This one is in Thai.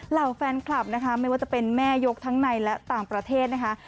เหล่าแฟนคลับนะคะไม่ว่าจะเป็นแม่ยกทั้งในและต่างประเทศนะคะ